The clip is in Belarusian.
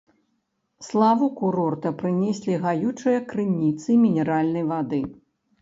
Славу курорта прынеслі гаючыя крыніцы мінеральнай вады.